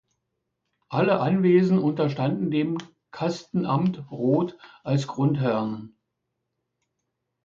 Alle Anwesen unterstanden dem Kastenamt Roth als Grundherrn.